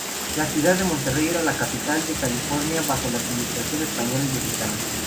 La ciudad de Monterrey era la capital de California bajo administración española y mexicana.